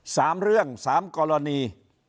สามเรื่องสามกรณี